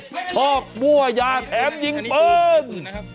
ชอบมั่วยาแถมยิงปืน